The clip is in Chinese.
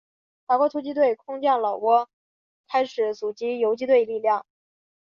法国突击队空降老挝开始组织游击队力量。